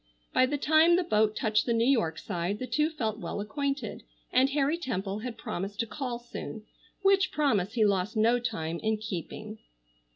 By the time the boat touched the New York side the two felt well acquainted, and Harry Temple had promised to call soon, which promise he lost no time in keeping.